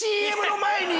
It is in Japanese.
ＣＭの前に！